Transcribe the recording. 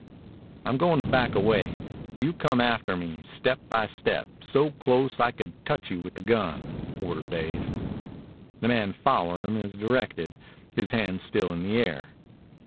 "I'm going to back away. You come after me, step by step, so close I could touch you with the gun," ordered Dave. The man followed him as directed, his hands still in the air.